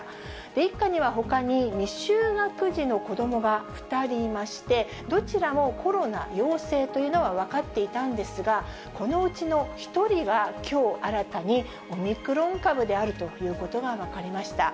一家にはほかに未就学児の子どもが２人いまして、どちらもコロナ陽性というのは分かっていたんですが、このうちの１人がきょう新たにオミクロン株であるということが分かりました。